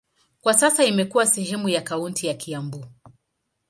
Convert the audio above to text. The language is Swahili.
Kwa sasa imekuwa sehemu ya kaunti ya Kiambu.